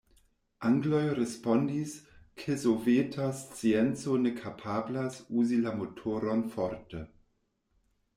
Angloj respondis, ke soveta scienco ne kapablas uzi la motoron forte.